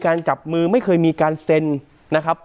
การจับมือไม่เคยมีการเซลฟี่นะครับ